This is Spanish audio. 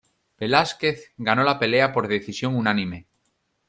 Velásquez ganó la pelea por decisión unánime.